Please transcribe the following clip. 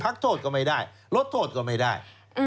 พักโทษก็ไม่ได้ลดโทษก็ไม่ได้